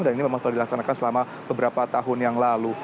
dan ini memang sudah dilaksanakan selama beberapa tahun yang lalu